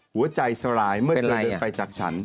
หัวใจสลายเมื่อเธอเดินไปจากฉัน